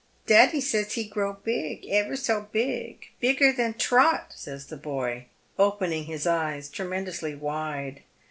" Daddie says he grow big — ever so big — bigger than Trot," says the boy, opening his eyes tremendously wide.